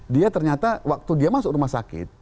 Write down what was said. dia ternyata waktu dia masuk rumah sakit